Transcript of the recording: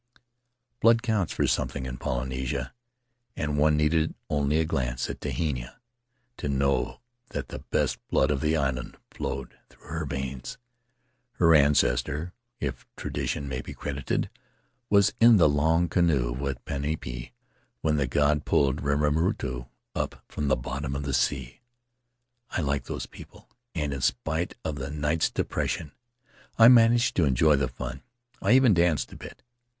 Blood counts for something in Poly nesia, and one needed only a glance at Tehina to know that the best blood of the island flowed in her veins; her ancestor — if tradition may be credited — was in the long canoe with Penipeni when the god pulled Rimarutu up from the bottom of the sea. I like those people, and in spite of the night's depression I managed to enjoy the fun — I even danced a bit!